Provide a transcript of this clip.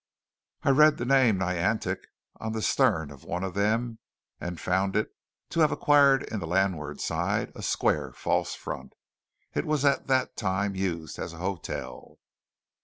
I read the name Niantic on the stern of one of them; and found it to have acquired in the landward side a square false front. It was at that time used as a hotel.